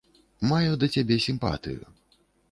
Маю да цябе сімпатыю.